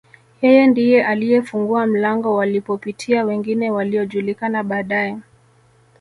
Yeye ndiye aliyefungua mlango walipopitia wengine waliojulikana baadae